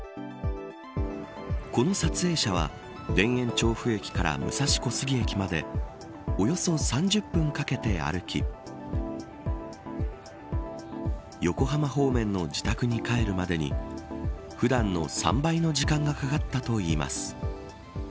この撮影者は田園調布駅から武蔵小杉駅までおよそ３０分かけて歩き横浜方面の自宅に帰るまでに普段の３倍の時間がかかったといいます。